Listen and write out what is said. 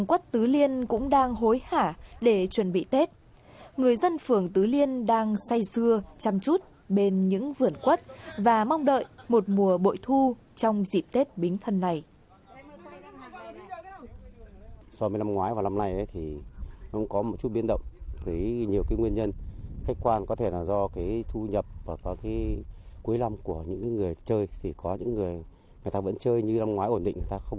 quất tứ liên cho biết quất năm nay đẹp hơn năm ngoái